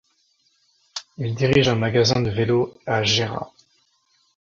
Il dirige un magasin de vélo à Gera.